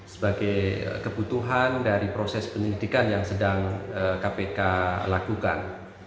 sebagai kebutuhan dari proses penyelidikan yang sedang kpk lakukan